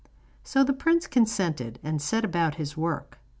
So the prince consented, and set about his work.